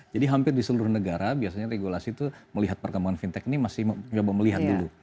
jadi hampir di seluruh negara biasanya regulasi itu melihat perkembangan fintech ini masih coba melihat dulu